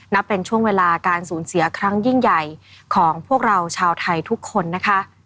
นับเป็นช่วงเวลาการสูญเสียครั้งยิ่งใหญ่ของพวกเราชาวไทยทุกคนนะคะ